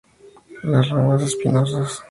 Las ramas espinosas.